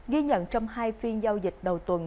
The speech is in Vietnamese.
ghi nhận trong hai phiên giao dịch đầu tuần